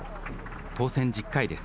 当選１０回です。